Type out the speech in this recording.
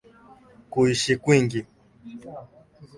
Kuishi kwingi.